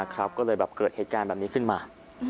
ก็เลยเกิดเหตุการณ์แบบนี้ขึ้นมา